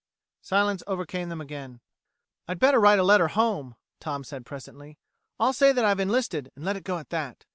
Silence overcame them again. "I'd better write a letter home," Tom said presently. "I'll say that I've enlisted and let it go at that."